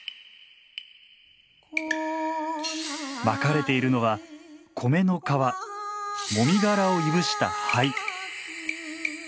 まかれているのは米の皮もみ殻をいぶした灰。